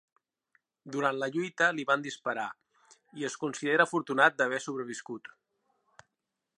Durant la lluita li van disparar, i es considera afortunat d'haver sobreviscut.